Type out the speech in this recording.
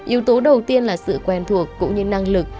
yếu tố đầu tiên là sự quen thuộc cũng như năng lực